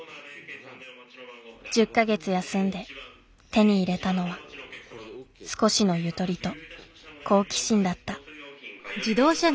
１０か月休んで手に入れたのは少しのゆとりと好奇心だった。